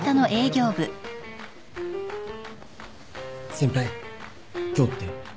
先輩今日って。